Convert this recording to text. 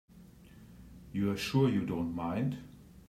You're sure you don't mind?